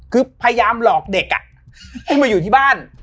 คือพยายามหลอกเด็กให้มาอยู่ที่บ้าน